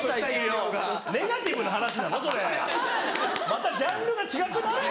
またジャンルが違くない？